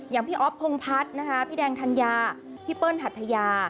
อย่างพี่อ๊อฟพงภัทรพี่แดงธัญญาพี่เปิ้ลถัดทะยา